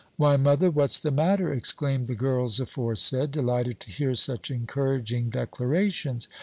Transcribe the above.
"Why, mother, what's the matter?" exclaimed the girls aforesaid, delighted to hear such encouraging declarations.